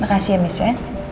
terima kasih ya miss ya